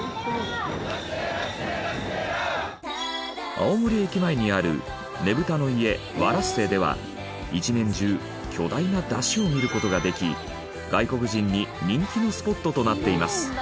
青森駅前にあるねぶたの家ワ・ラッセでは一年中巨大な山車を見る事ができ外国人に人気のスポットとなっています。